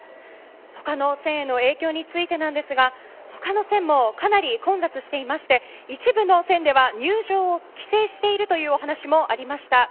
他の線への影響についてなんですが他の線もかなり混雑していて一部の線では入場を規制しているというお話もありました。